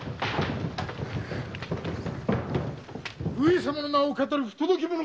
上様の名を騙る不届き者。